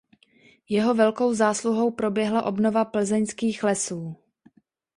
Jeho velkou zásluhou proběhla obnova plzeňských lesů.